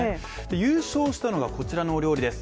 優勝したのがこちらのお料理です。